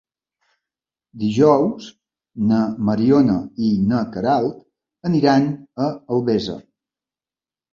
Dijous na Mariona i na Queralt aniran a Albesa.